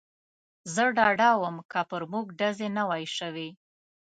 زه ډاډه ووم، که پر موږ ډزې نه وای شوې.